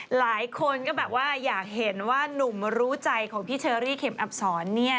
หลายคนก็แบบว่าอยากเห็นว่านุ่มรู้ใจของพี่เชอรี่เข็มอับสอนเนี่ย